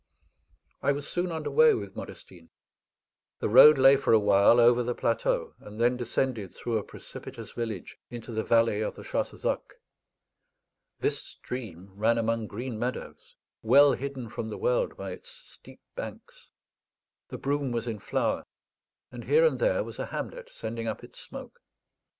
I was soon under way with Modestine. The road lay for a while over the plateau, and then descended through a precipitous village into the valley of the Chassezac. This stream ran among green meadows, well hidden from the world by its steep banks; the broom was in flower, and here and there was a hamlet sending up its smoke.